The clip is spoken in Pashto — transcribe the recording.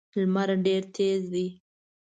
لمر ډېر تېز دی.